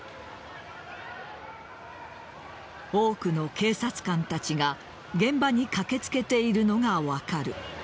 多くの警察官たちが現場に駆けつけているのが分かる。